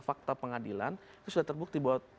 fakta pengadilan itu sudah terbukti bahwa